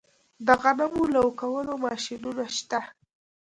د غنمو لو کولو ماشینونه شته